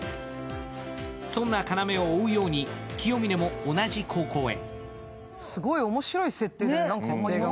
そんな要を追うように、清峰も同じ高校へ。